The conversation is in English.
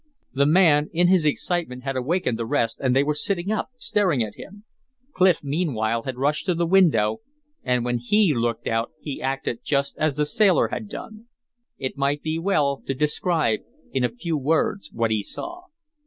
The man in his excitement had awakened the rest and they were sitting up staring at him. Clif meanwhile had rushed to the window, and when he looked out he acted just as the sailor had done. It might be well to describe in a few words what he saw.